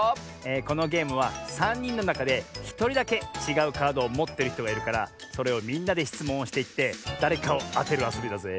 このゲームはさんにんのなかでひとりだけちがうカードをもってるひとがいるからそれをみんなでしつもんをしていってだれかをあてるあそびだぜ。